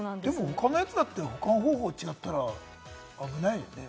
他のやつだって保管方法が違ったら危ないよね。